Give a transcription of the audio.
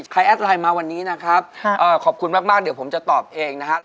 แอดไลน์มาวันนี้นะครับขอบคุณมากเดี๋ยวผมจะตอบเองนะครับ